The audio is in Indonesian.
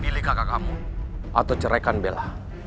pilih kakak kamu atau ceraikan bela